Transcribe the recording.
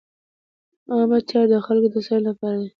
عامه چارې د خلکو د هوساینې لپاره دي.